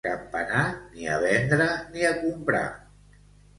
A Campanar, ni a vendre ni a comprar.